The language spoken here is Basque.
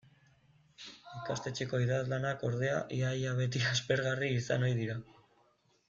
Ikastetxeko idazlanak, ordea, ia-ia beti aspergarri izan ohi dira.